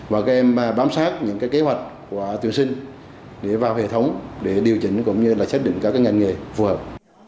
và các em bám sát những kế hoạch của tuyển sinh để vào hệ thống để điều chỉnh cũng như là xác định các ngành nghề phù hợp